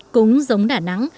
cũng giống đà nẵng